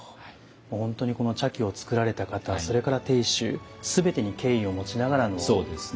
もう本当にこの茶器を作られた方それから亭主全てに敬意を持ちながらの席になるわけですね。